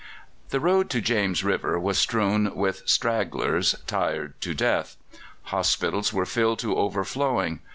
The road to James River was strewn with stragglers, tired to death. Hospitals were filled to overflowing.